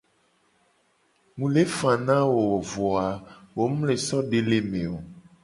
Mu le fa na wo a vo a wo mu le so de le eme o.